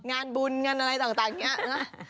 งานบุญงานอะไรต่างอย่างนี้นะ